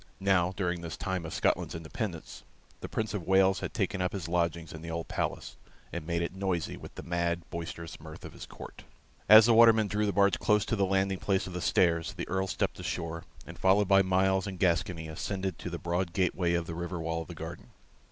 Now, during this time of Scotland's independence, the Prince of Wales had taken up his lodging in the old palace, and made it noisy with the mad, boisterous mirth of his court. As the watermen drew the barge close to the landing place of the stairs, the Earl stepped ashore, and followed by Myles and Gascoyne, ascended to the broad gate way of the river wall of the garden.